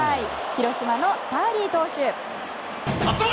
広島のターリー投手。